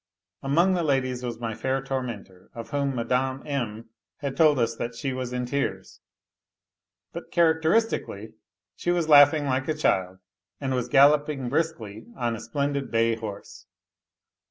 Among the ladies was my fair tormentor, of whom M. M. ha< told us that she was in tears. But characteristically she wai laughing like a child, and was galloping briskly on a splondk bay horse.